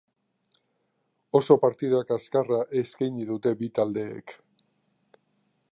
Oso partida kaskarra eskaini dute bi taldeek.